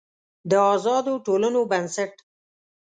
د آزادو ټولنو بنسټ